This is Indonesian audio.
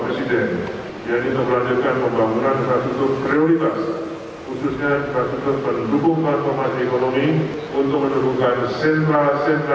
khususnya berasur penduduk performa ekonomi untuk menemukan sentra sentra ekonomi baru